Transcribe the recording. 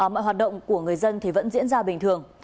mọi hoạt động của người dân thì vẫn diễn ra bình thường